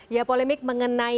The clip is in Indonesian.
ya polemik mengenai